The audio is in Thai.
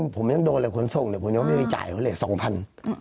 ผมยังโดนแล้วขนทรงเดี๋ยวไม่จ่ายเขาเลยสองพัน